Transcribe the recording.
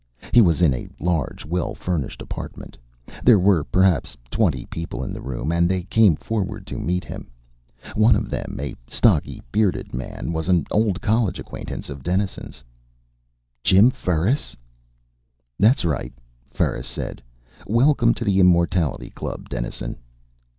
He was in a large, well furnished apartment. There were perhaps twenty people in the room, and they came forward to meet him. One of them, a stocky, bearded man, was an old college acquaintance of Dennison's. "Jim Ferris?" "That's right," Ferris said. "Welcome to the Immortality Club, Dennison."